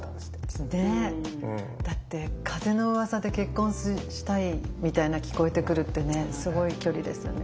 だって風のうわさで結婚したいみたいな聞こえてくるってすごい距離ですよね。